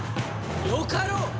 よかろう！